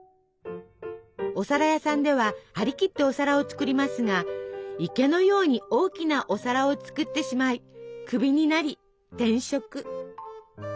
お皿屋さんでははりきってお皿を作りますが池のように大きなお皿を作ってしまいクビになり転職。